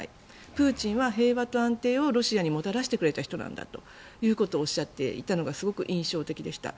プーチンは平和と安定をロシアにもたらしてくれた人なんだとおっしゃっていたのがすごく印象的でした。